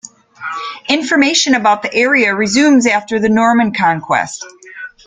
Information about the area resumes after the Norman Conquest.